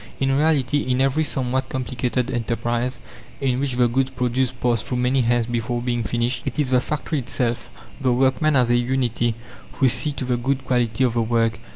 In reality, in every somewhat complicated enterprise, in which the goods produced pass through many hands before being finished, it is the factory itself, the workmen as a unity, who see to the good quality of the work.